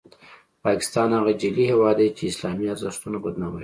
پاکستان هغه جعلي هیواد دی چې اسلامي ارزښتونه بدناموي.